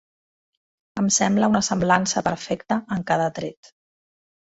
Em sembla una semblança perfecta en cada tret.